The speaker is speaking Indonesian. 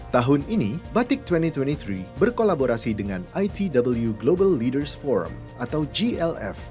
tahun ini batik dua ribu dua puluh tiga berkolaborasi dengan itw global leaders forum atau glf